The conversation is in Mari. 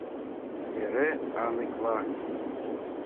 Эре аныкла.